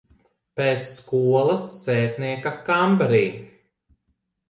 Pēc skolas sētnieka kambarī?